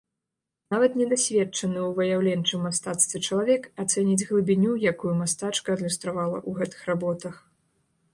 Нават недасведчаны ў выяўленчым мастацтве чалавек ацэніць глыбіню, якую мастачка адлюстравала ў гэтых работах.